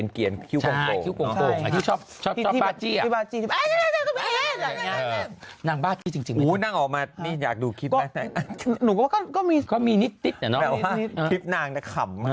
คลิปนางแต่ขำมาก